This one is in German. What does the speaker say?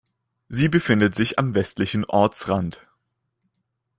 Sie befindet sich am westlichen Ortsrand.